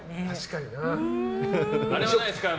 あれはないですかね